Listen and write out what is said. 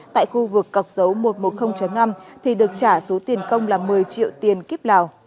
tại khu vực cọc dấu một trăm một mươi năm thì được trả số tiền công là một mươi triệu tiền kiếp lào